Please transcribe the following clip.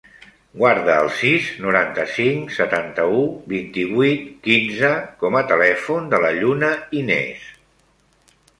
Guarda el sis, noranta-cinc, setanta-u, vint-i-vuit, quinze com a telèfon de la Lluna Ines.